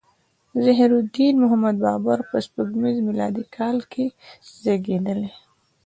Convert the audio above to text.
ظهیرالدین محمد بابر په سپوږمیز میلادي کال کې زیږیدلی.